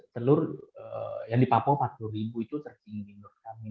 telur yang di papua rp empat puluh itu tertinggi